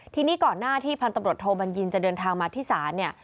ทีนี้ก่อนหน้าที่พันตำรวจโทบัญญินจะเดินทางมาที่ศาลเนี่ย